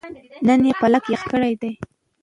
نن يې پالک پخ کړي دي